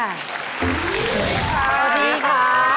สวัสดีค่ะ